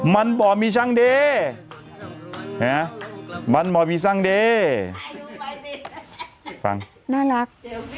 มันบ่อมีซั่งดีเนี้ยฮะมันบ่อมีซั่งดีฟังน่ารัก